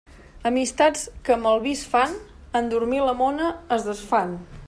Amistats que amb el vi es fan, en dormir la mona es desfan.